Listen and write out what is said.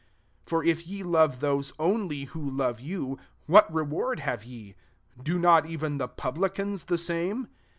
46 For if ye love those only who love you, what reward have ye ? do not even the publicans the same?